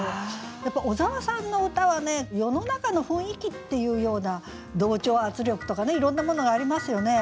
やっぱ小沢さんの歌は世の中の雰囲気っていうような同調圧力とかねいろんなものがありますよね。